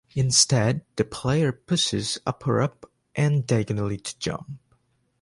Instead, the player pushes up-or up and diagonally-to jump.